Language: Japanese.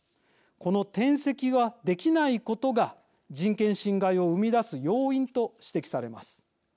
この転籍は、できないことが人権侵害を生み出す要因と指摘されます。